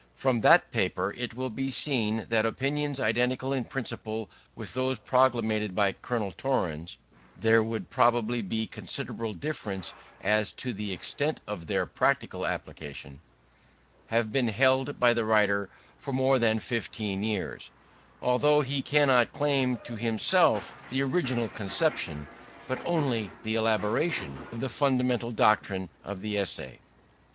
From that paper it will be seen that opinions identical in principle with those promulgated by Colonel Torrens (there would probably be considerable difference as to the extent of their practical application) have been held by the writer for more than fifteen years: although he cannot claim to himself the original conception, but only the elaboration, of the fundamental doctrine of the Essay.